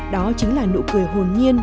đó chính là nụ cười hồn nhiên